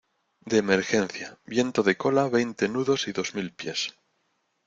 de emergencia, viento de cola veinte nudos y dos mil pies.